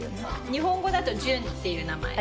日本語だと純っていう名前で。